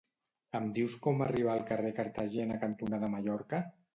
Em dius com arribar al carrer Cartagena cantonada Mallorca?